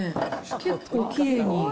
結構きれいに。